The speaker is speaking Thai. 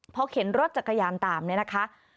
เพราะเข็นรถจักรยานตามนะคะ